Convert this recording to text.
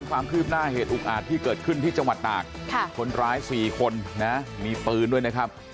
ความคืบหน้าเหตุอุกอาจที่เกิดขึ้นที่จังหวัดตากคนร้าย๔คนนะมีปืนด้วยนะครับ